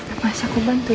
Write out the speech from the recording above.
apaan sih aku bantu ya